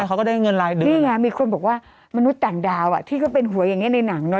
เขาก็ได้เงินรายเดือนนี่ไงมีคนบอกว่ามนุษย์ต่างดาวที่ก็เป็นหัวอย่างนี้ในหนังเนอ